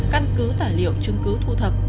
căn cứ tài liệu chứng cứ thu thập